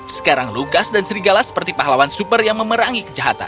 sekarang lukas dan serigala seperti pahlawan super yang memerangi kejahatan